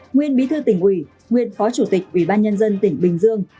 nguyên bí thư tỉnh ủy nguyên phó chủ tịch ubnd tỉnh bình dương